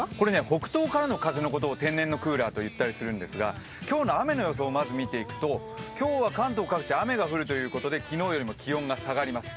北東からの風のことを天然のクーラーと呼んだりするんですが今日の雨の予想をまず見ていくと、今日は関東各地、雨が降るということで昨日よりも気温が下がります。